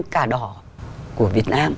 cả đỏ của việt nam